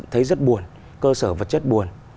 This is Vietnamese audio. thấy rất buồn cơ sở vật chất buồn